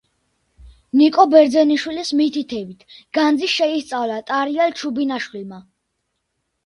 ნიკო ბერძენიშვილის მითითებით განძი შეისწავლა ტარიელ ჩუბინაშვილმა.